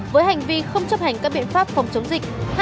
với hành vi không chấp hành các biện pháp phòng chống dịch